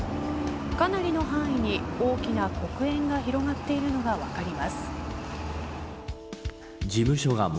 かなりの範囲に大きな黒煙が広がっているのが分かります。